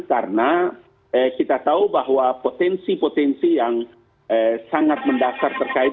karena kita tahu bahwa potensi potensi yang sangat mendasar terkait